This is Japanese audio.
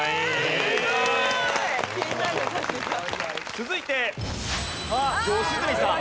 すごい！続いて良純さん。